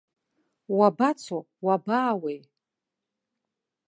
Уабацо, уабаауеи?